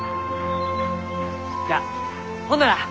じゃあほんなら。